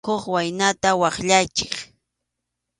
Huk waynata waqyaychik.